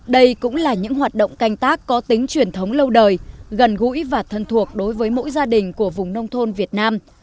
đây cũng là những hoạt động canh tác có tính truyền thống lâu đời gần gũi và thân thuộc đối với mỗi gia đình của vùng nông thôn việt nam